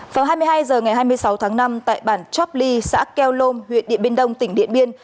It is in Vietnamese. vào hai mươi hai h ngày hai mươi sáu tháng năm tại bản chopley xã keo lom huyện điện biên đông tỉnh điện biên